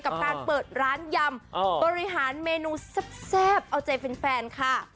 กับการเปิดร้านยำบริหารเมนูแซ่บเอาใจแฟนค่ะ